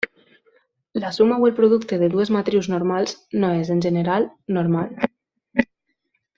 La suma o el producte de dues matrius normals no és, en general, normal.